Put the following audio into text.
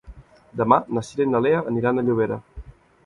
Demà na Cira i na Lea aniran a Llobera.